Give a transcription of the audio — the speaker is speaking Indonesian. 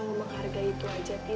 kok cuma menghargai itu aja pi